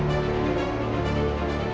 aku mau pergi ke rumah